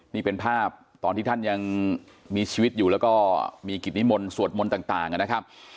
นี่เป็นภาพตอนที่ท่านยังมีชีวิตอยู่แล้วก็มีกิจนิมนต์สวดมนต์ต่างนะครับ